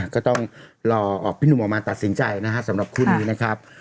ก็ต้องรอพี่หนุ่มออกมาตัดสินใจนะครับสำหรับคู่นี้นะครับ